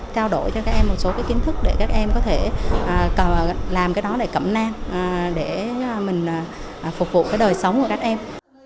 trao đổi cho các em một số cái kiến thức để các em có thể làm cái đó để cẩm nang để mình phục vụ cái đời sống của các em